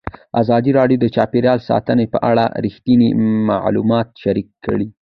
ازادي راډیو د چاپیریال ساتنه په اړه رښتیني معلومات شریک کړي.